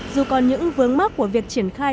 dù còn những vướng mắt của việc triển khai